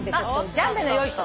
ジャンベの用意しとく。